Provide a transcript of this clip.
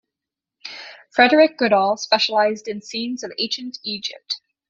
Frederick Goodall specialized in scenes of Ancient Egypt.